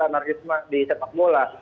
anarkisma di sepak bola